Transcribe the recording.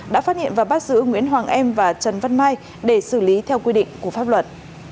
đã phát hiện và bắt giữ nguyễn hoàng em và trần văn mai để xử lý theo quy định của pháp luật